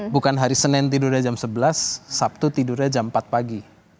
bukan hari senin tidurnya jam sebelas sabtu tidurnya jam empat pagi